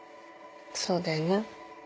そうだよね。